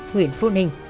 huyện phú ninh